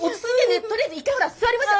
とりあえず一回ほら座りましょう。